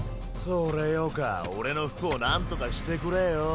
それよか俺の服をなんとかしてくれよぉ。